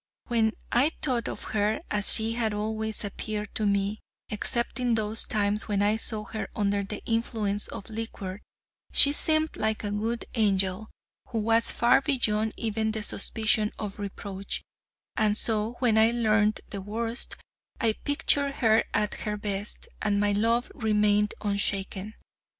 When I thought of her as she had always appeared to me, excepting those times when I saw her under the influence of liquor, she seemed like a good angel, who was far beyond even the suspicion of reproach; and so when I learned the worst, I pictured her at her best, and my love remained unshaken.